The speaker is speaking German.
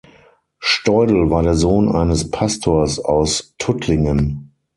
Steudel war der Sohn eines Pastors aus Tuttlingen.